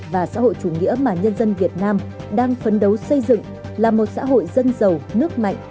và xã hội chủ nghĩa mà nhân dân việt nam đang phấn đấu xây dựng là một xã hội dân giàu nước mạnh